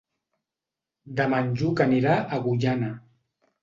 Demà en Lluc anirà a Agullana.